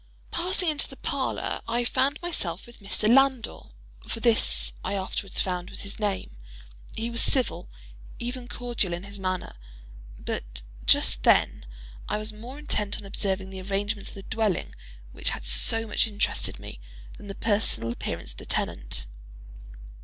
Passing into the parlor, I found myself with Mr. Landor—for this, I afterwards found, was his name. He was civil, even cordial in his manner, but just then, I was more intent on observing the arrangements of the dwelling which had so much interested me, than the personal appearance of the tenant.